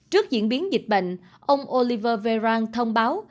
trước diễn biến dịch bệnh ông oliver verang thông báo